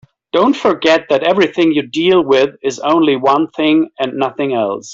Don't forget that everything you deal with is only one thing and nothing else.